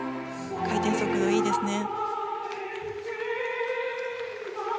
回転速度いいですね。